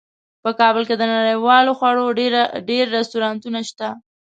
په کابل کې د نړیوالو خوړو ډیر رستورانتونه شته